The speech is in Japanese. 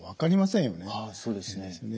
はいそうですね。